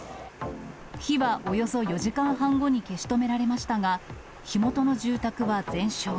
火はおよそ４時間半後に消し止められましたが、火元の住宅は全焼。